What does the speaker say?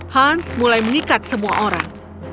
hans mulai mengikat semua orang